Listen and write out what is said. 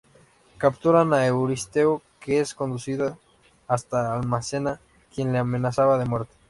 Capturan a Euristeo, que es conducido hasta Alcmena quien le amenaza de muerte.